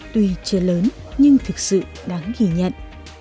tuy chưa lớn nhưng thực sự đáng ghi nhận